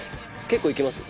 結構いきます。